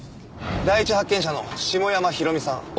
第一発見者の下山広美さん